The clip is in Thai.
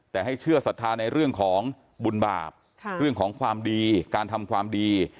แต่ให้เชื่อศรัทธาในเรื่องของบุญบาปเรื่องของความดีการทำความดี